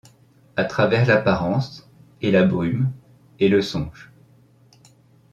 À travers l’apparence, et la brume, et le songe